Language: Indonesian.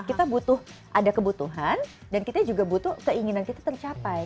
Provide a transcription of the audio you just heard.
kita butuh ada kebutuhan dan kita juga butuh keinginan kita tercapai